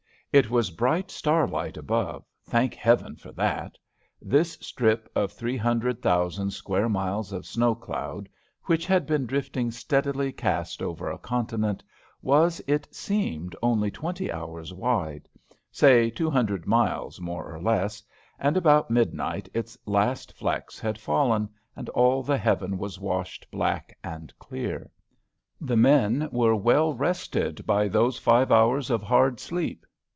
It was bright star light above, thank Heaven for that. This strip of three hundred thousand square miles of snow cloud, which had been drifting steadily cast over a continent, was, it seemed, only twenty hours wide, say two hundred miles, more or less, and at about midnight its last flecks had fallen, and all the heaven was washed black and clear. The men were well rested by those five hours of hard sleep.